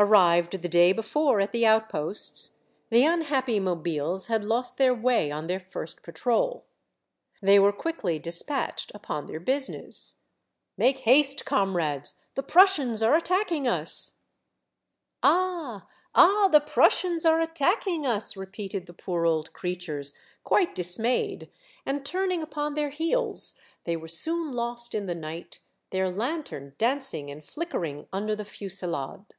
Arrived the day before at the outposts, the un happy mobiles had lost their way on their first patrol. They were quickly despatched upon their business. '* Make haste, comrades ! the Prussians are at tacking us." Glimpses of the Insurrection, 109 "Ah ! ah ! the Prussians are attacking us !" re peated the poor old creatures, quite dismayed ; and turning upon their heels, they were soon lost in the night, their lantern dancing and flickering under the fusillade.